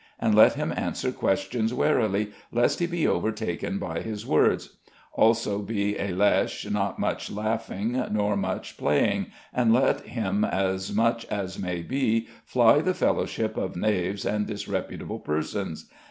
And let him answer questions warily, lest he be overtaken by his words.... Also be a leche not much laughing nor much playing, and let him as much as may be fly the fellowship of knaves and disreputable persons.